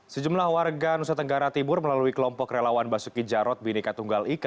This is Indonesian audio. sejumlah warga nusa tenggara tibur melalui kelompok relawan basuki jarod bineka tunggal ika